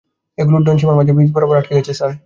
ওগুলো উড্ডয়ন সীমার মাঝ বরাবর আটকে গেছে, স্যার!